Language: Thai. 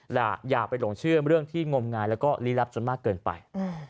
อย่าไปหลงเชื่อเรื่องที่งมงายแล้วก็ลี้ลับจนมากเกินไป